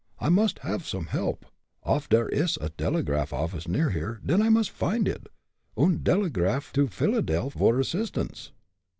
I must haff some help. Off der ish a delegraph office near here, den I must find id, und delegraph to Philadelf vor assistance.